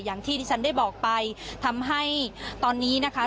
อย่างที่ที่ฉันได้บอกไปทำให้ตอนนี้นะคะ